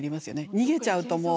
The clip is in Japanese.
逃げちゃうともう。